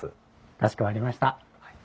かしこまりました。